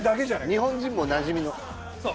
日本人もなじみのそう